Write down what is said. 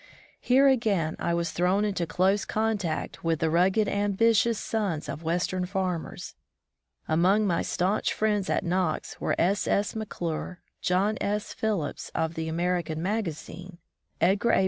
Here, again, I was thrown into close contact with the rugged, ambitious sons of western farmers. Among my stanch friends at Knox were S. S. McClure, John S. Phillips of the American Magazine^ Edgar A.